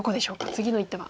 次の一手は。